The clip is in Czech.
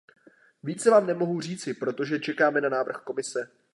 Více vám nemohu říci, protože čekáme na návrh Komise.